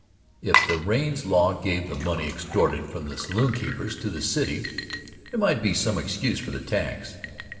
If the Raines law gave the money extorted from the saloonkeepers to the city, there might be some excuse for the tax.